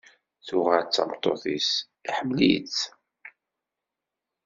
Tuɣal d tameṭṭut-is, iḥemmel-itt.